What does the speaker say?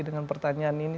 dengan pertanyaan ini